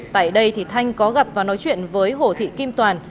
tại đây thì thanh có gặp và nói chuyện với hồ thị kim toàn